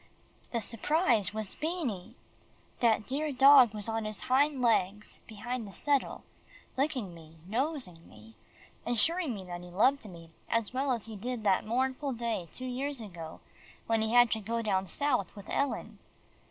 The surprise was Beanie. That dear dog was on his hind legs beside the settle, licking me, nosing me, assuring me that he loved me as well as he did the mournful day two years ago, when he had to go down South with Ellen.